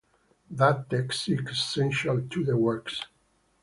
That text is essential to the works.